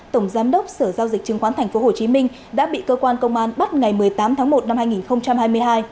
tổng giám đốc sở giao dịch chứng khoán tp hcm đã bị cơ quan công an bắt ngày một mươi tám tháng một năm hai nghìn hai mươi hai